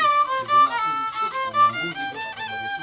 yang tetap menjadi penguat lagu dari semua alat musik profesional betawi